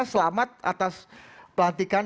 selamat atas pelantikan